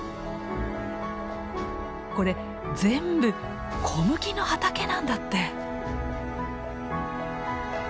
これ全部小麦の畑なんだって！